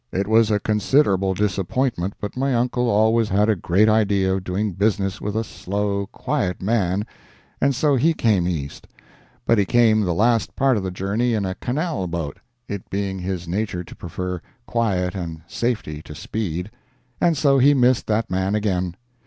It was a considerable disappointment, but my uncle always had a great idea of doing business with a slow, quiet man, and so he came East. But he came the last part of the journey in a canal boat (it being his nature to prefer quiet and safety to speed), and so he missed that man again.